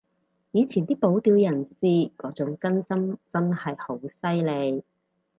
以前啲保釣人士嗰種真心真係好犀利